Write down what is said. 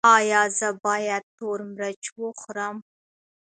ایا زه باید تور مرچ وخورم؟